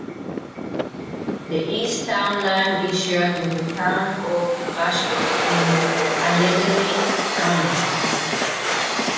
The east town line is shared with the town of Rushford in Allegany County.